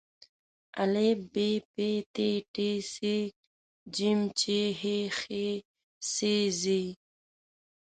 ا ب پ ت ټ ث ج چ ح خ څ ځ